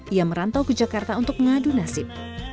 ia merantau ke jakarta untuk mengadu nasib